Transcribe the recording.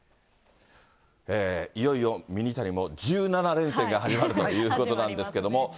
いよいよミニタニも１７連戦が始まるということなんですけれども。